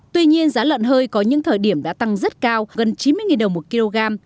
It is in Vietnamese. tuy nhiên giá lợn hơi có những thời điểm đã tăng rất cao gần chín mươi đồng một kg